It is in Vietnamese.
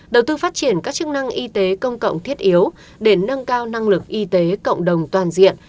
đầu tư phát triển các chức năng y tế công cộng thiết yếu để nâng cao năng lực y tế cộng đồng toàn diện